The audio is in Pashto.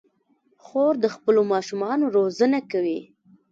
خور د خپلو ماشومانو روزنه کوي.